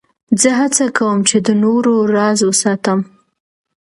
زه هڅه کوم، چي د نورو راز وساتم.